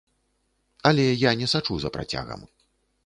Але я не сачу за працягам.